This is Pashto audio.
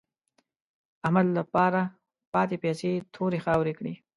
احمد له پاره پاتې پيسې تورې خاورې کړې.